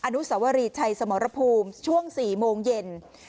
อนุสวรีชัยสมรภูมิช่วง๔โมงเย็น